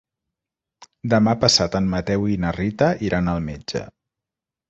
Demà passat en Mateu i na Rita iran al metge.